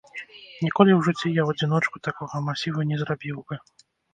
Ніколі ў жыцці я ў адзіночку такога масіву не зрабіў бы.